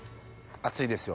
熱いですよ。